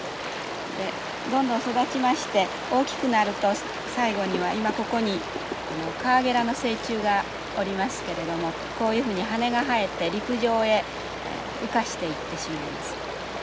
でどんどん育ちまして大きくなると最後には今ここにカワゲラの成虫がおりますけれどもこういうふうに羽が生えて陸上へ羽化していってしまいます。